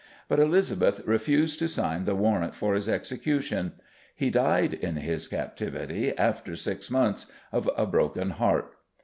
But Elizabeth refused to sign the warrant for his execution. He died, in his captivity, after six months, of a broken heart.